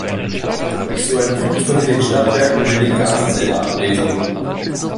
So ein Typ von den Stadtwerken will den Gaszähler ablesen.